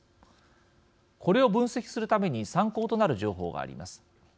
これを分析するために参考となる情報があります。